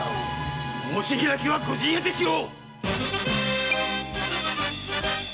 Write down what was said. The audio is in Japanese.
申し開きはご陣屋でしろ！